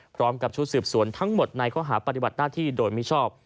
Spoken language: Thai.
พร้อมกับชุดสืบสวนทั้งหมดในข้อหาปฏิบัติหน้าที่โดยมิชอบ